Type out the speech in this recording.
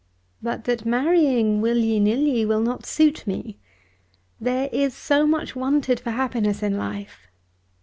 "But that marrying will ye nill ye, will not suit me. There is so much wanted for happiness in life."